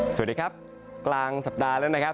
สวัสดีครับกลางสัปดาห์แล้วนะครับ